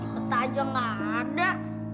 betanya gak ada